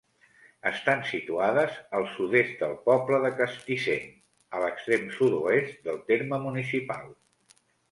Estan situades al sud-est del poble de Castissent, a l'extrem sud-oest del terme municipal.